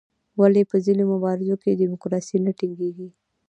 ولې په ځینو مواردو کې ډیموکراسي نه ټینګیږي؟